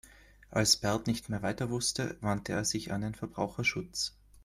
Als Bert nicht mehr weiter wusste, wandte er sich an den Verbraucherschutz.